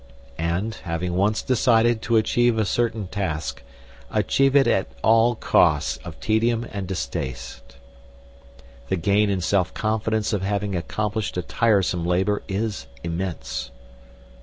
And, having once decided to achieve a certain task, achieve it at all costs of tedium and distaste. The gain in self confidence of having accomplished a tiresome labour is immense.